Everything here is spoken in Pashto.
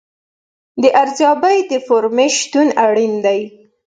د ارزیابۍ د فورمې شتون اړین دی.